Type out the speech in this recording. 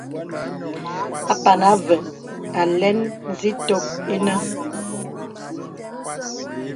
Apàn Avə̄ŋ alɛ̄n zitok inə̀.